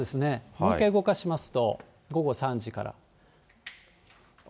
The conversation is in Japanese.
もう１回動かしますと、午後３時から。